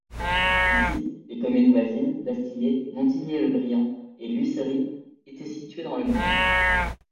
Ainsi, les communes voisines d'Astillé, Montigné-le-Brillant et L'Huisserie étaient situées dans le Maine.